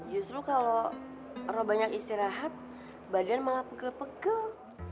justru kalau banyak istirahat badan malah pegel pegel